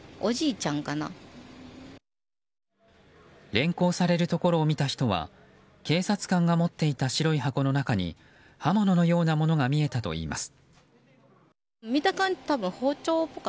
連行されるところを見た人は警察官が持っていた白い箱の中に刃物のようなものが見えたといいます。